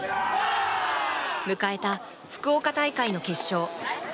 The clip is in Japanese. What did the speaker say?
迎えた福岡大会の決勝。